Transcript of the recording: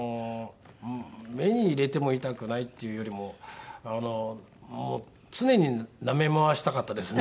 目に入れても痛くないっていうよりも常になめ回したかったですね。